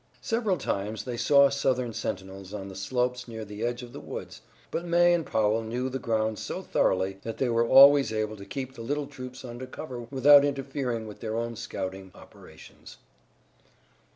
Several times they saw Southern sentinels on the slopes near the edge of the woods, but May and Powell knew the ground so thoroughly that they were always able to keep the little troop under cover without interfering with their own scouting operations.